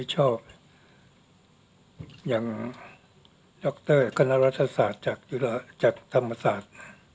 ไม่ชอบอย่างดรกรรณรัฐศาสตร์จากจุฬาจากธรรมศาสตร์